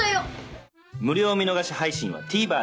無料見逃し配信は ＴＶｅｒ で